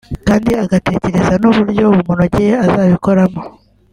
kandi agatekereza n'uburyo bumunogeye azabikoramo